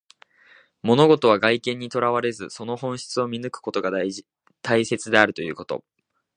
物事は外見にとらわれず、その本質を見抜くことが大切であるということ。